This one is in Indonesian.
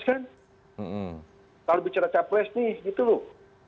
kalau bicara capres nih gitu loh